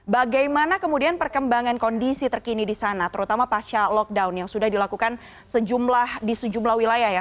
bagaimana kemudian perkembangan kondisi terkini di sana terutama pasca lockdown yang sudah dilakukan di sejumlah wilayah ya